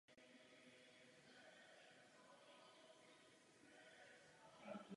To byla naše práce, kterou dokazují i naše zprávy.